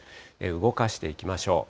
動かしていきましょう。